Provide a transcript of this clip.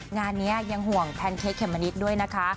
งานนี้ยังห่วงแพนเค้กเขมมะนิดด้วยนะคะ